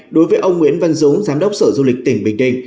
đối với ông nguyễn văn dũng giám đốc sở du lịch tỉnh bình định